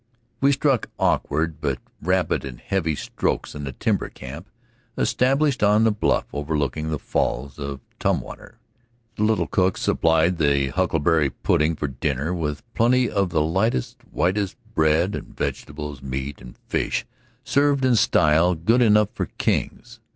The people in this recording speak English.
We struck awkward but rapid and heavy strokes in the timber camp established on the bluff overlooking the falls at Tumwater. The little cook supplied the huckleberry pudding for dinner, with plenty of the lightest, whitest bread, and vegetables, meat, and fish served in style good enough for kings.